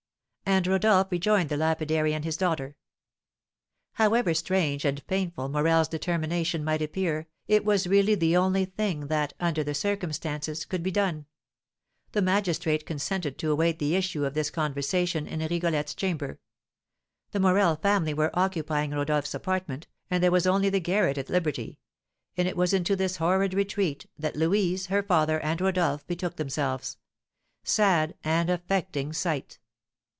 And Rodolph rejoined the lapidary and his daughter. However strange and painful Morel's determination might appear, it was really the only thing that, under the circumstances, could be done. The magistrate consented to await the issue of this conversation in Rigolette's chamber; the Morel family were occupying Rodolph's apartment, and there was only the garret at liberty; and it was into this horrid retreat that Louise, her father, and Rodolph betook themselves. Sad and affecting sight!